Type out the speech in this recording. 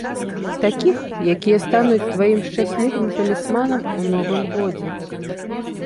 Такіх, якія стануць тваім шчаслівым талісманам у новым годзе.